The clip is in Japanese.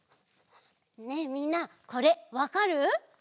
ねえみんなこれわかる？